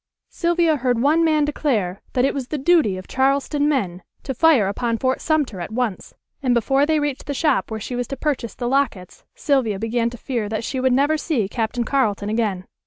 Sylvia heard one man declare that it was the duty of Charleston men to fire upon Fort Sumter at once; and before they reached the shop where she was to purchase the lockets Sylvia began to fear that she would never see Captain Carleton again.